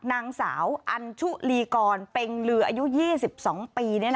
นางสาวอัญชุลีกรเป็งลืออายุ๒๒ปี